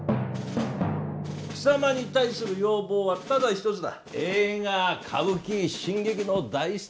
貴様に対する要望はただ一つだ。